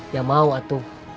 ya mau atu